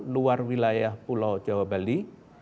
luar wilayah pulau jawa bali